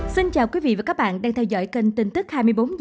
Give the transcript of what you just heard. xin chào quý vị và các bạn đang theo dõi kênh tin tức hai mươi bốn h